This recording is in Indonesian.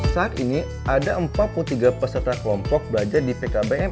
saat ini ada empat puluh tiga peserta kelompok belajar di pkbm